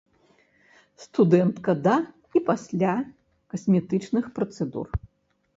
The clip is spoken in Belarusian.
Студэнтка да і пасля касметычных працэдур.